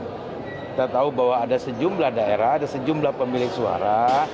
kita tahu bahwa ada sejumlah daerah ada sejumlah pemilik suara